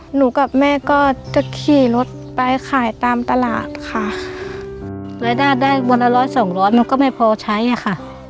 หนูกับแม่ก็จะขี่รถไปขายตามตลาดค่ะรายได้ได้วันละร้อยสองร้อยมันก็ไม่พอใช้อ่ะค่ะ